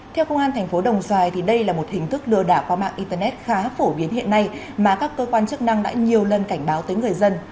theo công an thành phố đồng xoài đây là một hình thức lừa đảo qua mạng internet khá phổ biến hiện nay mà các cơ quan chức năng đã nhiều lần cảnh báo tới người dân